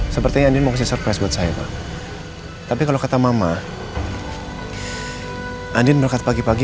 sepertinya ini mau surprise buat saya tapi kalau kata mama andi berangkat pagi pagi